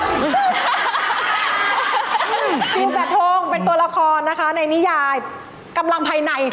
สินแสทงเป็นตัวละครนะคะในนิยายกำลังภายใน